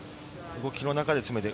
動きの中で詰めたい。